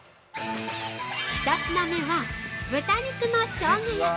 １品目は、豚肉のしょうが焼き。